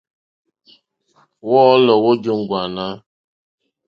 Wɔ́ɔ̌lɔ̀ wó jóŋɡwânà.